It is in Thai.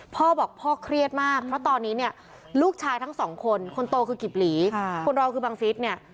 พ่อบอกพ่อเครียดมากเพราะตอนนี้เนี่ยลูกชายทั้งสองคนคนโตคือกิบหลีคนเราคือบังฟิศเนี่ย